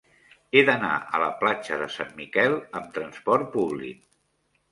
He d'anar a la platja de Sant Miquel amb trasport públic.